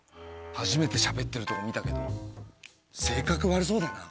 初めてしゃべってるとこ見たけど性格悪そうだな。